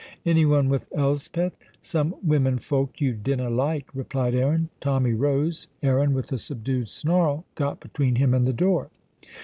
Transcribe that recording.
"Anyone with Elspeth?" "Some women folk you dinna like," replied Aaron. Tommy rose. Aaron, with a subdued snarl, got between him and the door.